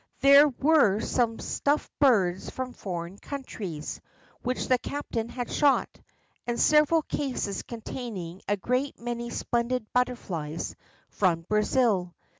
There were some stuffed birds from foreign countries, which the captain had shot, and several cases containing a great many splendid butterflies from Brazil.